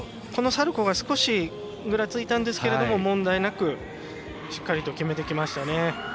このサルコーが少しぐらついたんですけれども問題なくしっかりと決めてきましたね。